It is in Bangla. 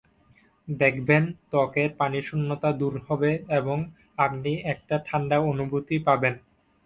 দেখবেন, ত্বকের পানিশূন্যতা দূর হবে এবং আপনি একটা ঠান্ডা অনুভূতি পাবেন।